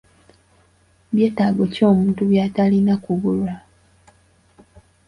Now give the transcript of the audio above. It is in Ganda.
Byetaago ki omuntu by'atalina kubulwa?